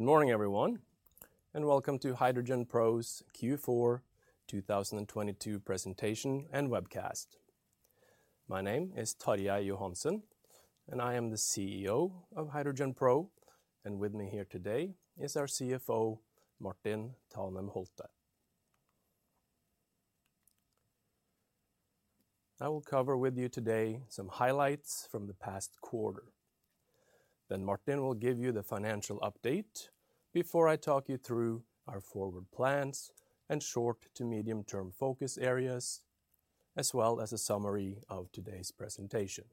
Good morning, everyone, and welcome to HydrogenPro's Q4 2022 Presentation and Webcast. My name is Tarjei Johansen, and I am the CEO of HydrogenPro, and with me here today is our CFO, Martin Thanem Holtet. I will cover with you today some highlights from the past quarter. Martin will give you the financial update before I talk you through our forward plans and short to medium-term focus areas, as well as a summary of today's presentation.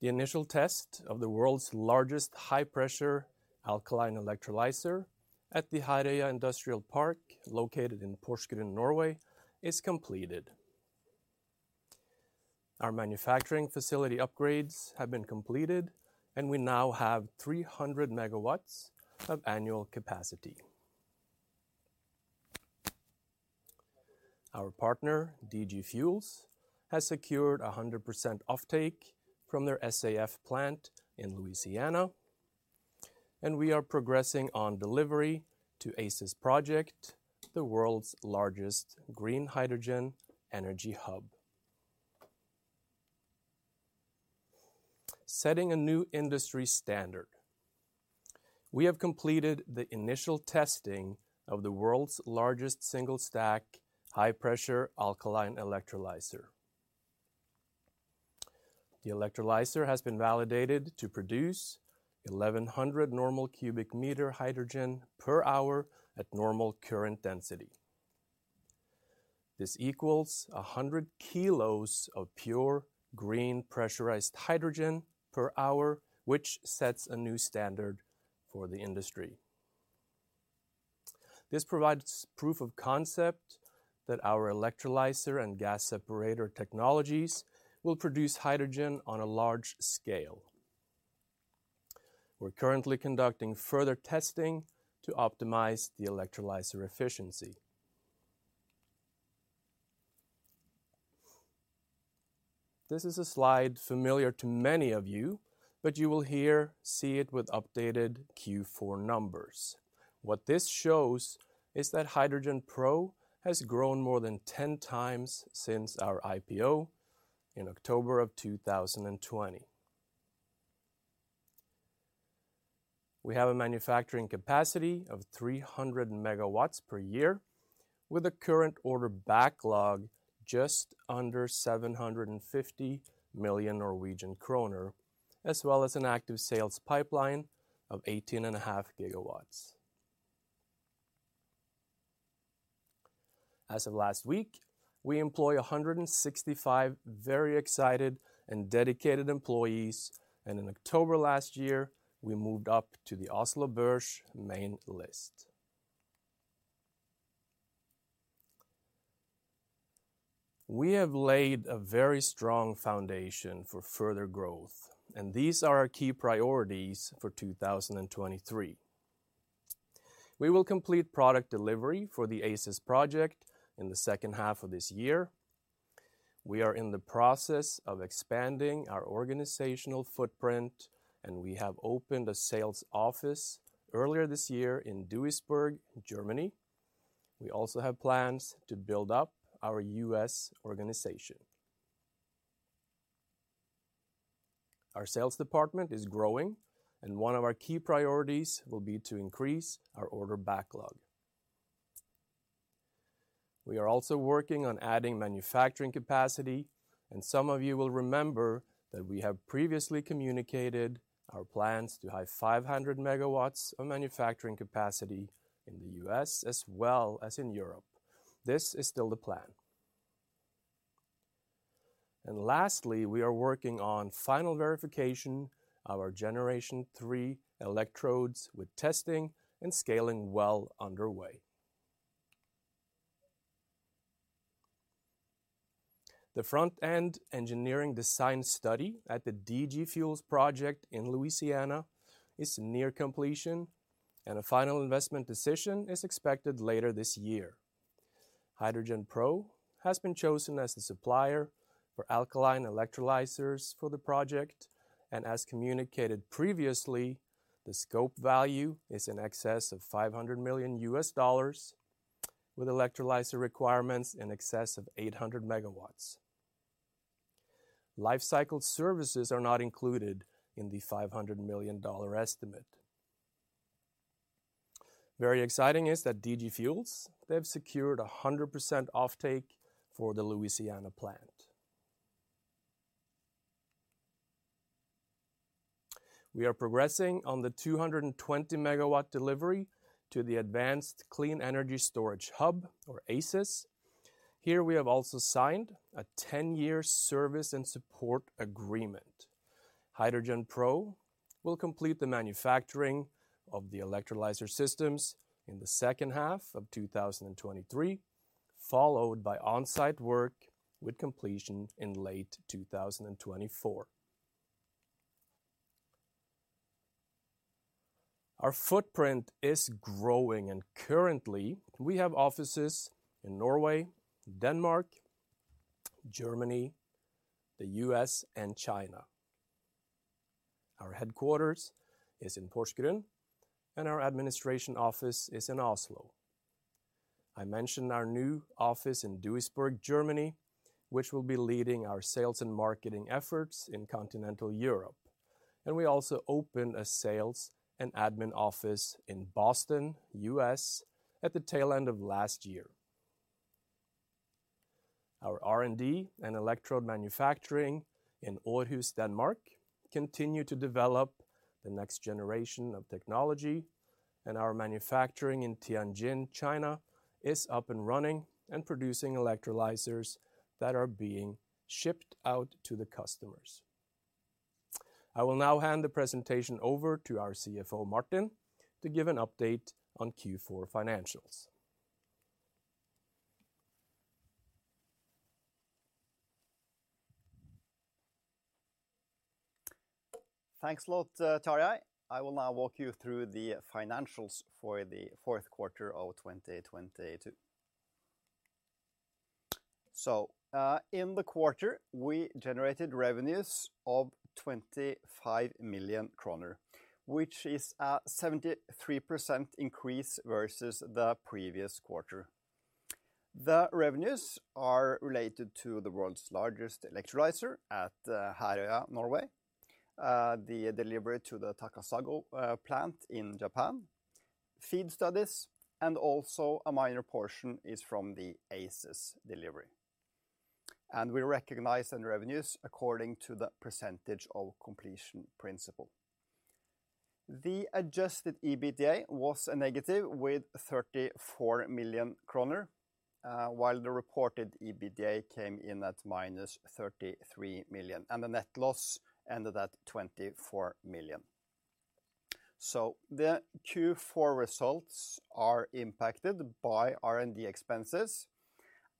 The initial test of the world's largest high-pressure alkaline electrolyzer at the Herøya Industrial Park, located in Porsgrunn, Norway, is completed. Our manufacturing facility upgrades have been completed, and we now have 300 MW of annual capacity. Our partner, DG Fuels, has secured 100% offtake from their SAF plant in Louisiana, and we are progressing on delivery to ACES project, the world's largest green hydrogen energy hub, setting a new industry standard. We have completed the initial testing of the world's largest single-stack high-pressure alkaline electrolyzer. The electrolyzer has been validated to produce 1,100 normal cubic meter hydrogen per hour at normal current density. This equals 100 kilos of pure, green, pressurized hydrogen per hour, which sets a new standard for the industry. This provides proof of concept that our electrolyzer and gas separator technologies will produce hydrogen on a large scale. We're currently conducting further testing to optimize the electrolyzer efficiency. This is a slide familiar to many of you, but you will here see it with updated Q4 numbers. What this shows is that HydrogenPro has grown more than 10 times since our IPO in October 2020. We have a manufacturing capacity of 300 MW per year with a current order backlog just under 750 million Norwegian kroner, as well as an active sales pipeline of 18.5 GW As of last week, we employ 165 very excited and dedicated employees. In October last year, we moved up to the Oslo Børs main list. We have laid a very strong foundation for further growth. These are our key priorities for 2023. We will complete product delivery for the ACES project in the second half of this year. We are in the process of expanding our organizational footprint. We have opened a sales office earlier this year in Duisburg, Germany. We also have plans to build up our U.S. organization. Our sales department is growing, and one of our key priorities will be to increase our order backlog. We are also working on adding manufacturing capacity, and some of you will remember that we have previously communicated our plans to have 500 MW of manufacturing capacity in the U.S. as well as in Europe. This is still the plan. Lastly, we are working on final verification of our Generation Three electrodes with testing and scaling well underway. The front-end engineering design study at the DG Fuels project in Louisiana is near completion, and a final investment decision is expected later this year. HydrogenPro has been chosen as the supplier for alkaline electrolyzers for the project. As communicated previously, the scope value is in excess of $500 million with electrolyzer requirements in excess of 800 MW. Lifecycle services are not included in the $500 million estimate. Very exciting is that DG Fuels, they have secured 100% offtake for the Louisiana plant. We are progressing on the 220 MW delivery to the Advanced Clean Energy Storage Hub, or ACES. Here we have also signed a 10-year service and support agreement. HydrogenPro will complete the manufacturing of the electrolyzer systems in the second half of 2023, followed by on-site work with completion in late 2024. Our footprint is growing. Currently, we have offices in Norway, Denmark, Germany, the U.S., and China. Our headquarters is in Porsgrunn, and our administration office is in Oslo. I mentioned our new office in Duisburg, Germany, which will be leading our sales and marketing efforts in continental Europe. We also opened a sales and admin office in Boston, U.S., at the tail end of last year. Our R&D and electrode manufacturing in Aarhus, Denmark, continue to develop the next generation of technology, and our manufacturing in Tianjin, China, is up and running and producing electrolyzers that are being shipped out to the customers. I will now hand the presentation over to our CFO, Martin, to give an update on Q4 financials. Thanks a lot, Tarjei. I will now walk you through the financials for the fourth quarter of 2022. In the quarter, we generated revenues of 25 million kroner, which is a 73% increase versus the previous quarter. The revenues are related to the world's largest electrolyzer at Herøya, Norway, the delivery to the Takasago plant in Japan, FEED studies, and also a minor portion is from the ACES delivery. We recognize the revenues according to the percentage of completion principle. The adjusted EBITDA was a negative with 34 million kroner, while the reported EBITDA came in at minus 33 million, and the net loss ended at 24 million. The Q4 results are impacted by R&D expenses,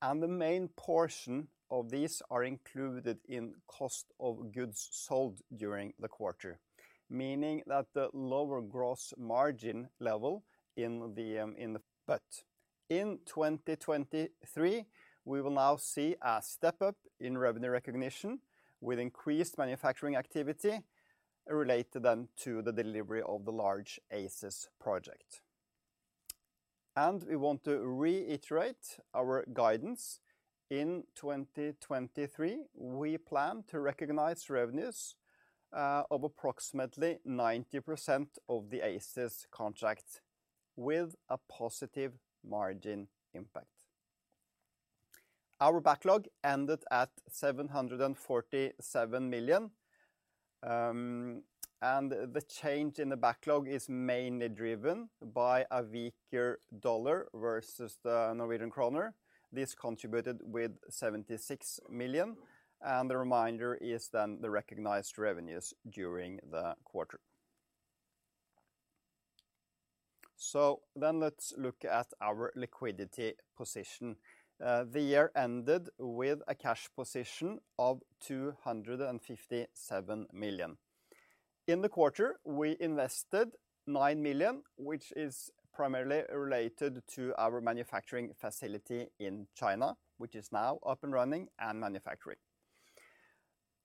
and the main portion of these are included in cost of goods sold during the quarter, meaning that the lower gross margin level in the. In 2023, we will now see a step-up in revenue recognition with increased manufacturing activity related then to the delivery of the large ACES project. We want to reiterate our guidance. In 2023, we plan to recognize revenues of approximately 90% of the ACES contract with a positive margin impact. Our backlog ended at 747 million, and the change in the backlog is mainly driven by a weaker dollar versus the Norwegian kroner. This contributed with 76 million, and the remainder is then the recognized revenues during the quarter. Let's look at our liquidity position. The year ended with a cash position of 257 million. In the quarter, we invested 9 million, which is primarily related to our manufacturing facility in China, which is now up and running and manufacturing.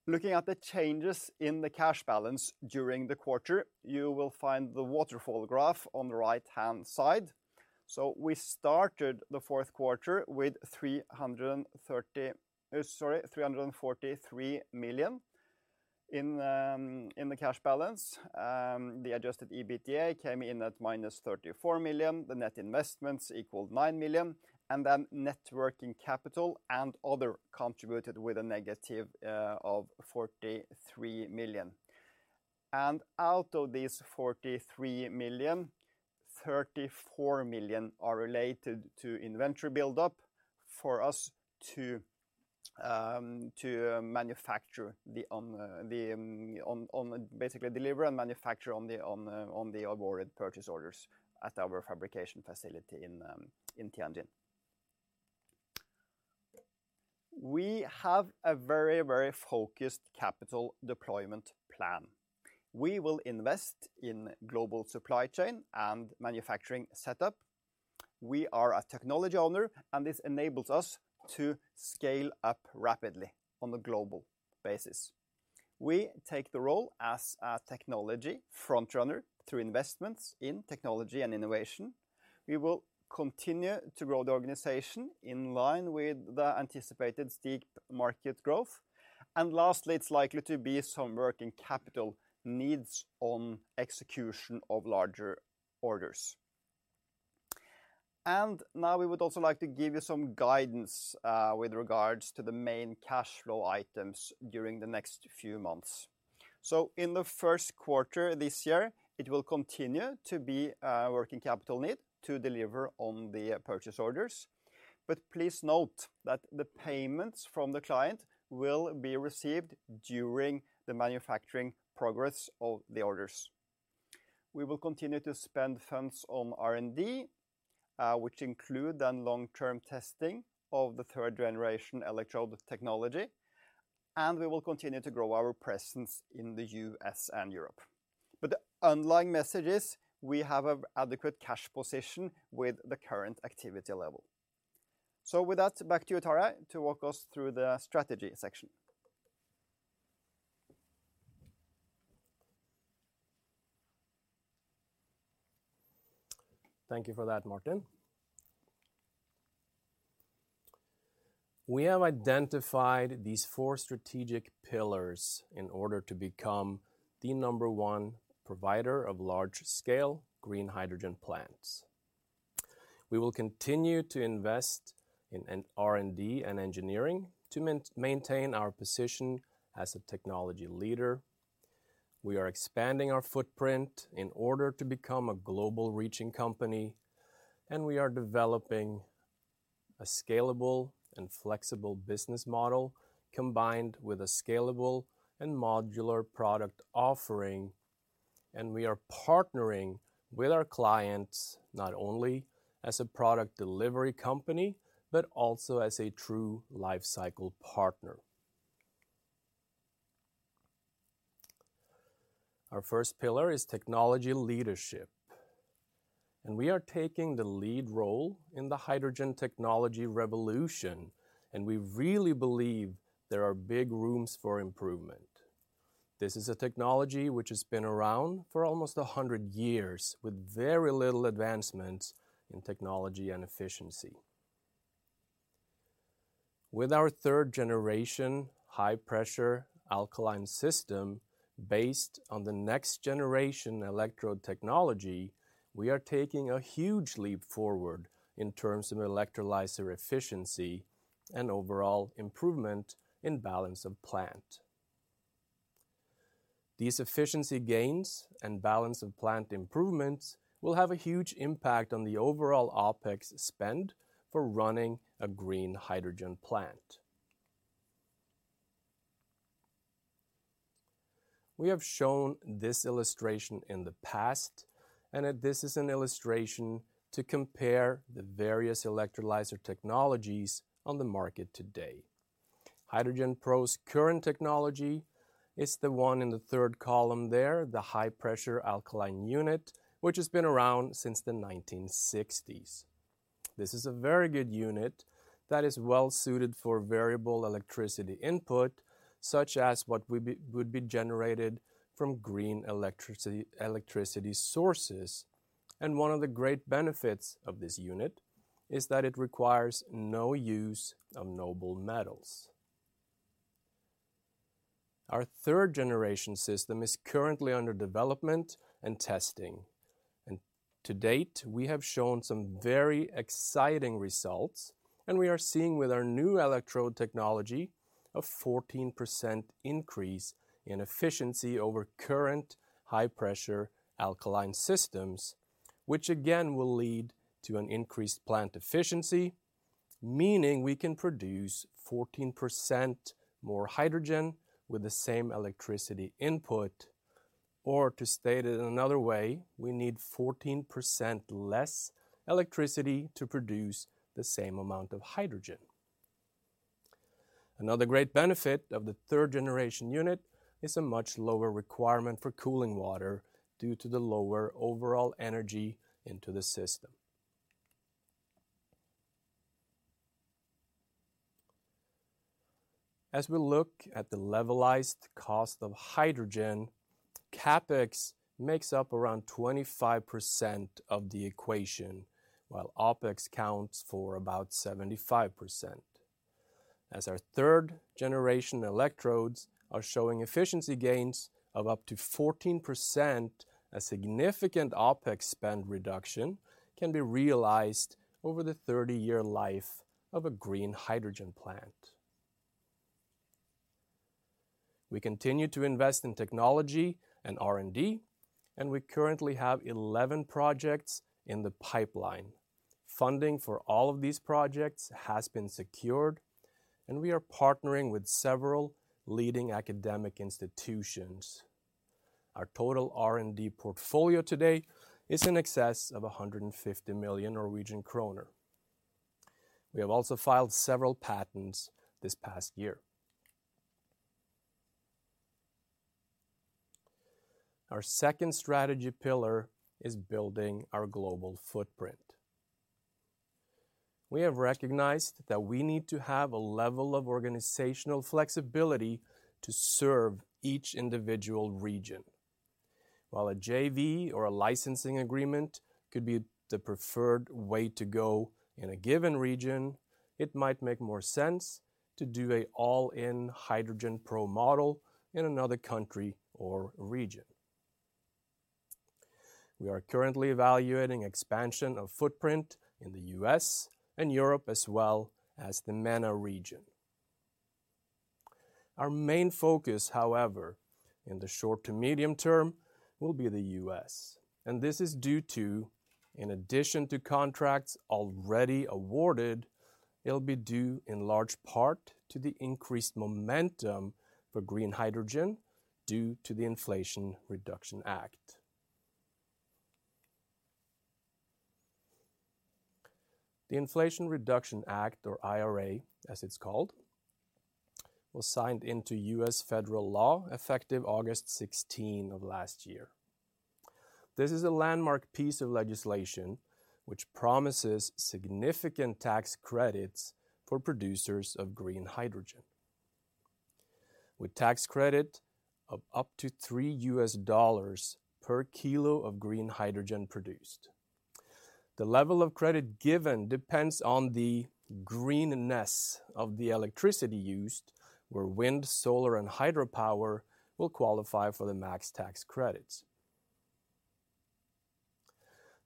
Looking at the changes in the cash balance during the quarter, you will find the waterfall graph on the right-hand side. We started the fourth quarter with 330... Sorry, 343 million in the cash balance. The adjusted EBITDA came in at minus 34 million. The net investments equaled 9 million. Net working capital and other contributed with a negative of 43 million. Out of these 43 million, 34 million are related to inventory build-up for us to manufacture the... Basically deliver and manufacture on the awarded purchase orders at our fabrication facility in Tianjin. We have a very focused capital deployment plan. We will invest in global supply chain and manufacturing setup. We are a technology owner, and this enables us to scale up rapidly on a global basis. We take the role as a technology front-runner through investments in technology and innovation. We will continue to grow the organization in line with the anticipated steep market growth. Lastly, it's likely to be some working capital needs on execution of larger orders. Now we would also like to give you some guidance with regards to the main cash flow items during the next few months. In the first quarter this year, it will continue to be a working capital need to deliver on the purchase orders. Please note that the payments from the client will be received during the manufacturing progress of the orders. We will continue to spend funds on R&D, which include then long-term testing of the third-generation electrode technology, and we will continue to grow our presence in the US and Europe. The underlying message is we have a adequate cash position with the current activity level. With that, back to you, Tarjei, to walk us through the strategy section. Thank you for that, Martin. We have identified these four strategic pillars in order to become the number one provider of large-scale green hydrogen plants. We will continue to invest in an R&D and engineering to maintain our position as a technology leader. We are expanding our footprint in order to become a global-reaching company. We are developing a scalable and flexible business model, combined with a scalable and modular product offering. We are partnering with our clients, not only as a product delivery company, but also as a true life cycle partner. Our first pillar is technology leadership. We are taking the lead role in the hydrogen technology revolution. We really believe there are big rooms for improvement. This is a technology which has been around for almost 100 years, with very little advancements in technology and efficiency. With our third-generation high-pressure alkaline system based on the next-generation electrode technology, we are taking a huge leap forward in terms of electrolyzer efficiency and overall improvement in balance of plant. These efficiency gains and balance of plant improvements will have a huge impact on the overall OpEx spend for running a green hydrogen plant. We have shown this illustration in the past, this is an illustration to compare the various electrolyzer technologies on the market today. HydrogenPro's current technology is the one in the third column there, the high-pressure alkaline unit, which has been around since the 1960s. This is a very good unit that is well-suited for variable electricity input, such as what would be generated from green electricity sources. One of the great benefits of this unit is that it requires no use of noble metals. Our third-generation system is currently under development and testing. To date, we have shown some very exciting results, and we are seeing with our new electrode technology a 14% increase in efficiency over current high-pressure alkaline systems, which again will lead to an increased plant efficiency, meaning we can produce 14% more hydrogen with the same electricity input. To state it another way, we need 14% less electricity to produce the same amount of hydrogen. Another great benefit of the third-generation unit is a much lower requirement for cooling water due to the lower overall energy into the system. As we look at the levelized cost of hydrogen, CapEx makes up around 25% of the equation, while OpEx counts for about 75%. As our Third-generation electrodes are showing efficiency gains of up to 14%, a significant OpEx spend reduction can be realized over the 30-year life of a green hydrogen plant. We continue to invest in technology and R&D. We currently have 11 projects in the pipeline. Funding for all of these projects has been secured. We are partnering with several leading academic institutions. Our total R&D portfolio today is in excess of 150 million Norwegian kroner. We have also filed several patents this past year. Our second strategy pillar is building our global footprint. We have recognized that we need to have a level of organizational flexibility to serve each individual region. While a JV or a licensing agreement could be the preferred way to go in a given region, it might make more sense to do a all-in HydrogenPro model in another country or region. We are currently evaluating expansion of footprint in the US and Europe as well as the MENA region. Our main focus, however, in the short to medium term will be the US, and this is due to, in addition to contracts already awarded. It'll be due in large part to the increased momentum for green hydrogen due to the Inflation Reduction Act. The Inflation Reduction Act, or IRA as it's called, was signed into US federal law effective August 16 of last year. This is a landmark piece of legislation which promises significant tax credits for producers of green hydrogen. With tax credit of up to $3 per kilo of green hydrogen produced. The level of credit given depends on the greenness of the electricity used, where wind, solar, and hydropower will qualify for the max tax credits.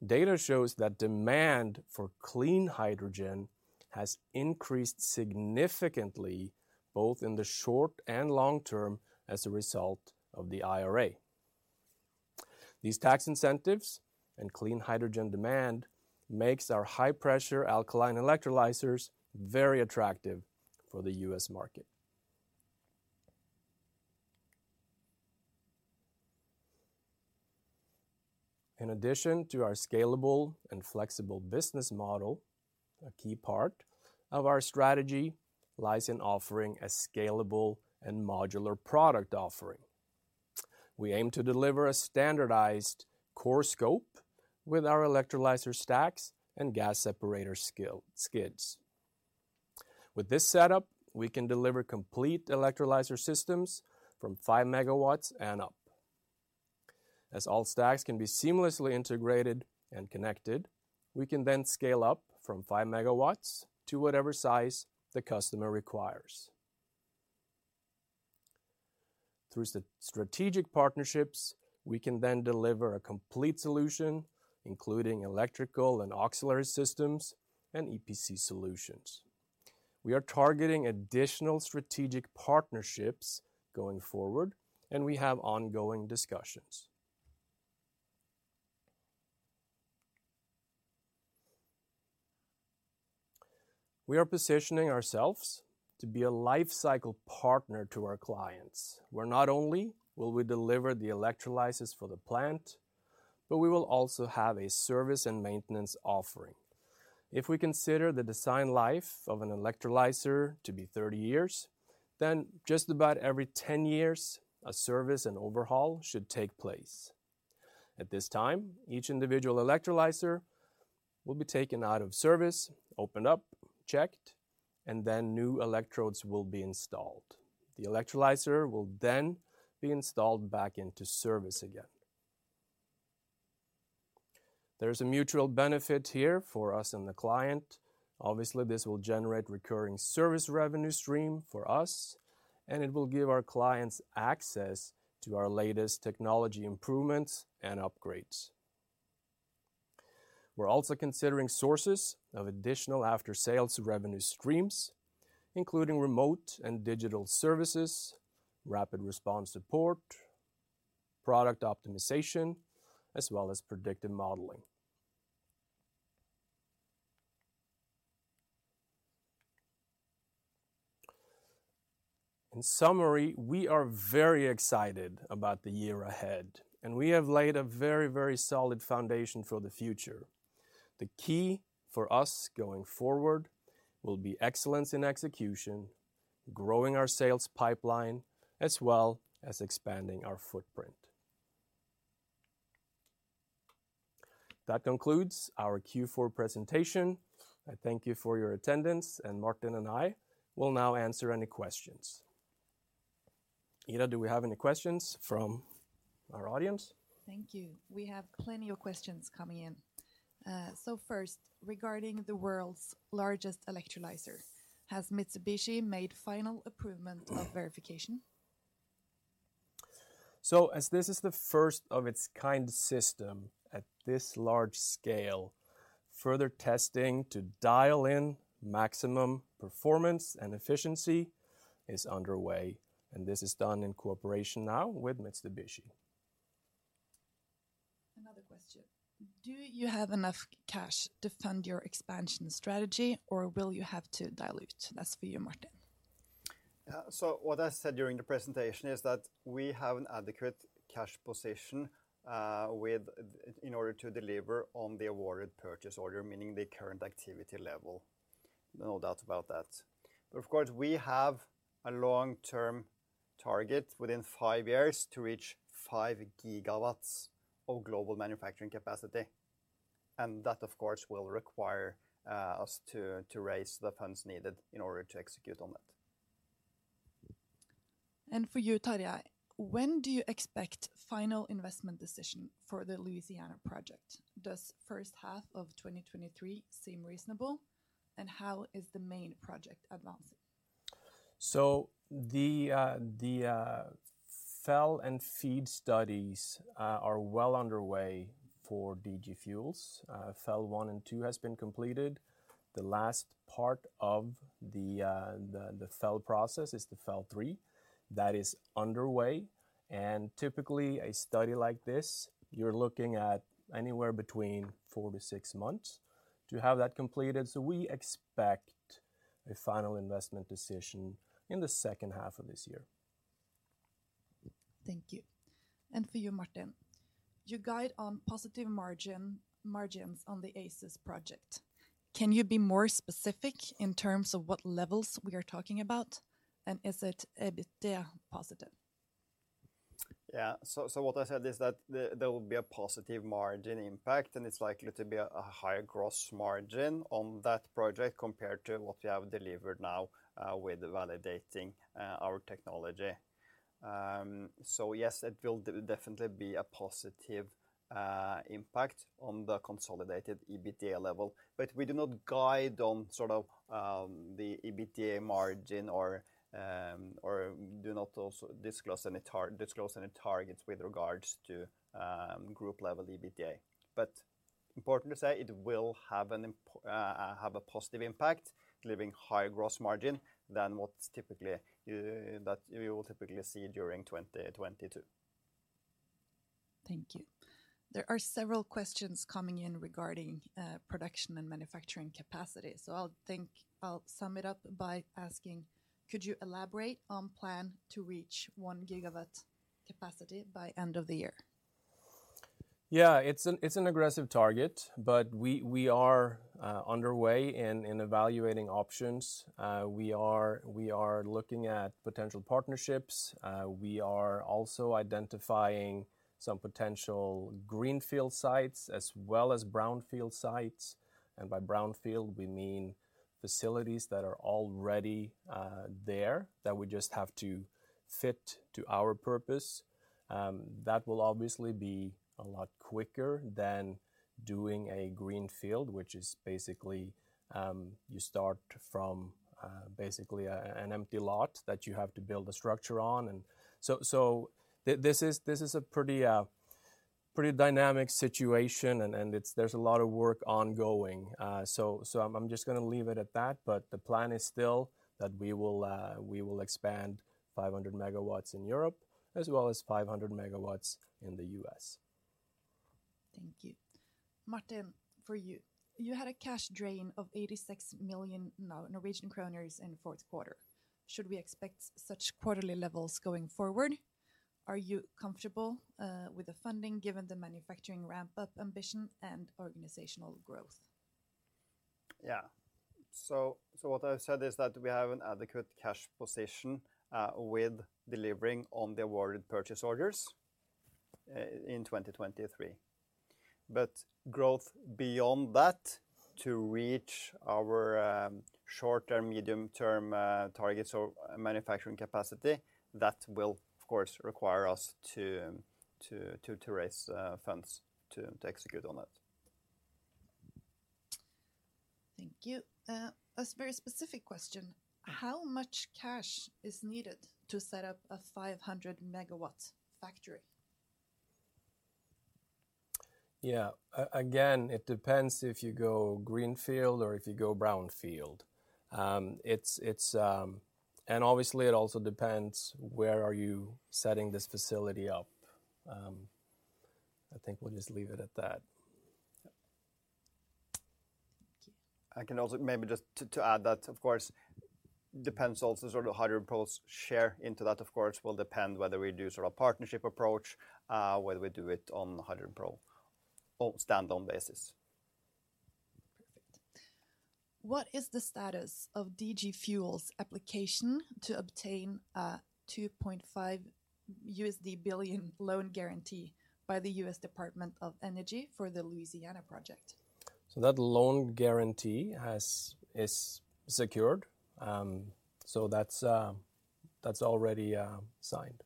Data shows that demand for clean hydrogen has increased significantly, both in the short and long term, as a result of the IRA. These tax incentives and clean hydrogen demand makes our high-pressure alkaline electrolyzers very attractive for the U.S. market. In addition to our scalable and flexible business model, a key part of our strategy lies in offering a scalable and modular product offering. We aim to deliver a standardized core scope with our electrolyzer stacks and gas separator skids. With this setup, we can deliver complete electrolyzer systems from 5 MW and up. As all stacks can be seamlessly integrated and connected, we can then scale up from 5 MW to whatever size the customer requires. Through strategic partnerships, we can then deliver a complete solution, including electrical and auxiliary systems and EPC solutions. We are targeting additional strategic partnerships going forward. We have ongoing discussions. We are positioning ourselves to be a life cycle partner to our clients, where not only will we deliver the electrolyzers for the plant. We will also have a service and maintenance offering. If we consider the design life of an electrolyzer to be 30 years, then just about every 10 years, a service and overhaul should take place. At this time, each individual electrolyzer will be taken out of service, opened up, checked. New electrodes will be installed. The electrolyzer will be installed back into service again. There's a mutual benefit here for us and the client. Obviously, this will generate recurring service revenue stream for us, and it will give our clients access to our latest technology improvements and upgrades. We're also considering sources of additional after-sales revenue streams, including remote and digital services, rapid response support, product optimization, as well as predictive modeling. In summary, we are very excited about the year ahead, and we have laid a very, very solid foundation for the future. The key for us going forward will be excellence in execution, growing our sales pipeline, as well as expanding our footprint. That concludes our Q4 presentation. I thank you for your attendance, and Martin and I will now answer any questions. Ida, do we have any questions from our audience? Thank you. We have plenty of questions coming in. First, regarding the world's largest electrolyzer, has Mitsubishi made final approval of verification? As this is the first-of-its-kind system at this large scale, further testing to dial in maximum performance and efficiency is underway, and this is done in cooperation now with Mitsubishi. Another question. Do you have enough cash to fund your expansion strategy, or will you have to dilute? That's for you, Martin. What I said during the presentation is that we have an adequate cash position in order to deliver on the awarded purchase order, meaning the current activity level. No doubt about that. Of course, we have a long-term target within five years to reach 5 GW of global manufacturing capacity, and that, of course, will require us to raise the funds needed in order to execute on that. For you, Tarjei, when do you expect final investment decision for the Louisiana project? Does first half of 2023 seem reasonable, and how is the main project advancing? The FEL and FEED studies are well underway for DG Fuels. FEL 1 and 2 has been completed. The last part of the FEL process is the FEL 3. That is underway, and typically a study like this, you're looking at anywhere between four to six months to have that completed. We expect a final investment decision in the second half of this year. Thank you. For you, Martin. Your guide on positive margin, margins on the ACES project, can you be more specific in terms of what levels we are talking about? Is it EBITDA positive? What I said is that there will be a positive margin impact, and it's likely to be a higher gross margin on that project compared to what we have delivered now, with validating our technology. Yes, it will definitely be a positive impact on the consolidated EBITDA level. We do not guide on sort of, the EBITDA margin or do not also discuss any disclose any targets with regards to, group level EBITDA. Important to say, it will have a positive impact delivering higher gross margin than what's typically, that you will typically see during 2022. Thank you. There are several questions coming in regarding production and manufacturing capacity. I'll sum it up by asking, could you elaborate on plan to reach 1 GW capacity by end of the year? Yeah. It's an aggressive target, but we are underway in evaluating options. We are looking at potential partnerships. We are also identifying some potential greenfield sites as well as brownfield sites. By brownfield, we mean facilities that are already there that we just have to fit to our purpose. That will obviously be a lot quicker than doing a greenfield, which is basically, you start from basically an empty lot that you have to build a structure on. This is a pretty dynamic situation and there's a lot of work ongoing. So I'm just gonna leave it at that. The plan is still that we will, we will expand 500 MW in Europe as well as 500 MW in the US. Thank you. Martin, for you. You had a cash drain of 86 million Norwegian kroner in fourth quarter. Should we expect such quarterly levels going forward? Are you comfortable with the funding given the manufacturing ramp-up ambition and organizational growth? Yeah. So what I said is that we have an adequate cash position, with delivering on the awarded purchase orders in 2023. Growth beyond that to reach our short-term, medium-term, targets or manufacturing capacity, that will of course require us to raise funds to execute on that. Thank you. A very specific question. How much cash is needed to set up a 500 MW factory? Yeah. Again, it depends if you go greenfield or if you go brownfield. It's. Obviously, it also depends where are you setting this facility up. I think we'll just leave it at that. I can also maybe just to add that of course depends also sort of how HydrogenPro's share into that of course will depend whether we do sort of partnership approach, whether we do it on a HydrogenPro or standalone basis. Perfect. What is the status of DG Fuels' application to obtain a $2.5 billion loan guarantee by the US Department of Energy for the Louisiana project? That loan guarantee has-- is secured. That's already signed.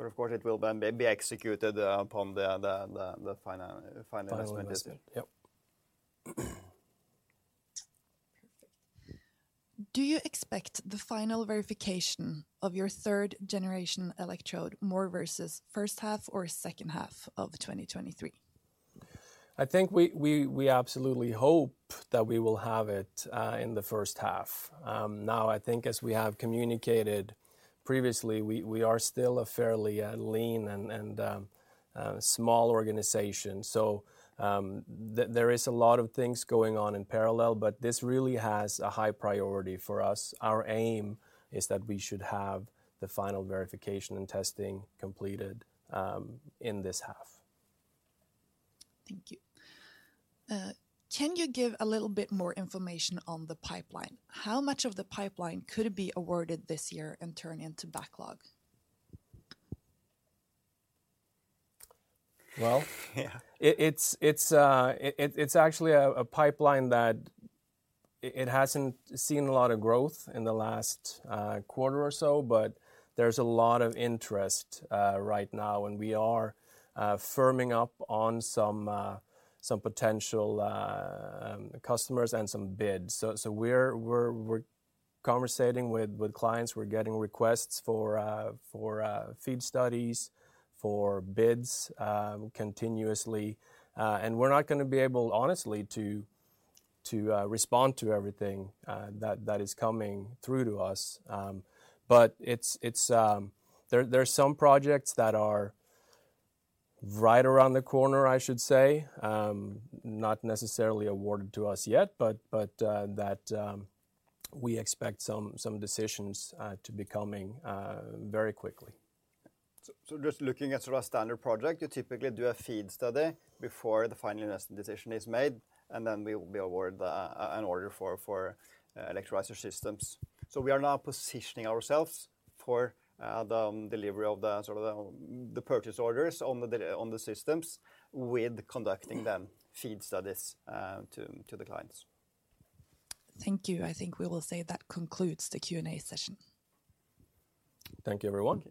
Of course it will then be executed upon the final investment. Final investment. Yep. Perfect. Do you expect the final verification of your third-generation electrode more versus first half or second half of 2023? I think we absolutely hope that we will have it in the first half. Now I think as we have communicated previously, we are still a fairly lean and small organization. There is a lot of things going on in parallel, but this really has a high priority for us. Our aim is that we should have the final verification and testing completed in this half. Thank you. Can you give a little bit more information on the pipeline? How much of the pipeline could be awarded this year and turn into backlog? Well- Yeah It's actually a pipeline that it hasn't seen a lot of growth in the last quarter or so, but there's a lot of interest right now and we are firming up on some potential customers and some bids. We're conversating with clients. We're getting requests for FEED studies, for bids continuously. We're not gonna be able honestly to respond to everything that is coming through to us. It's there are some projects that are right around the corner, I should say. Not necessarily awarded to us yet, but that we expect some decisions to be coming very quickly. Just looking at sort of standard project, you typically do a FEED study before the final invest decision is made, and then we will be awarded an order for electrolyzer systems. We are now positioning ourselves for the delivery of the sort of the purchase orders on the systems with conducting them FEED studies to the clients. Thank you. I think we will say that concludes the Q&A session. Thank you, everyone.